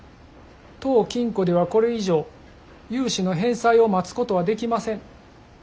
当金庫ではこれ以上融資の返済を待つことはできません。